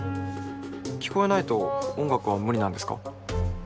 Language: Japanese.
聞こえないと音楽は無理なんですか？